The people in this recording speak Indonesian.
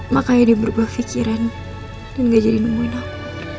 makanya dia berubah pikiran dan gak jadi nemuin aku